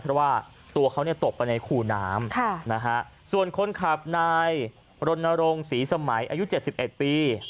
เพราะว่าตัวเขาตกไปในคูน้ำส่วนคนขับนายรณรงค์ศรีสมัยอายุ๗๑ปี